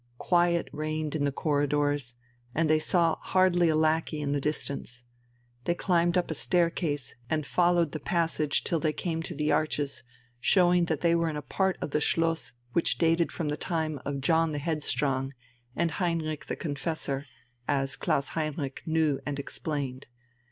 Quiet reigned in the corridors, and they saw hardly a lackey in the distance. They climbed up a staircase and followed the passage till they came to the arches, showing that they were in the part of the Schloss which dated from the time of John the Headstrong and Heinrich the Confessor, as Klaus Heinrich knew and explained.